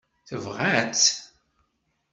Tebɣa-tt?